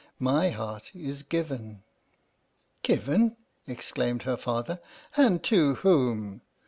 my heart is given!" "Given!" exclaimed her father, "and to whom?